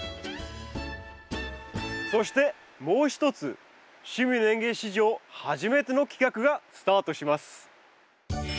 そしてもう一つ「趣味の園芸」史上初めての企画がスタートします。